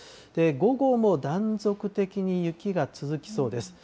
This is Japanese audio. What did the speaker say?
午後も断続的に雪が続きそうです。